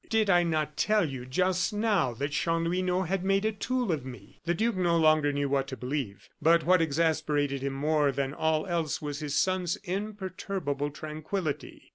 Did I not tell you just now that Chanlouineau had made a tool of me?" The duke no longer knew what to believe; but what exasperated him more than all else was his son's imperturbable tranquillity.